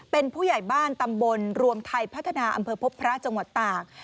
เป็นผู้ใหญ่บ้านตำบลรวมไทยพัฒนาอำเภอพบพระจังหวัดตาก